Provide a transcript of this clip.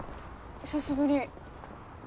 久しぶり。